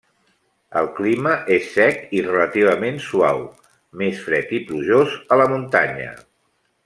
El clima és sec i relativament suau, més fred i plujós a la muntanya.